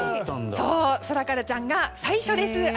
ソラカラちゃんが最初です。